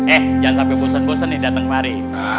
eh jangan sampai bosan bosan nih datang hari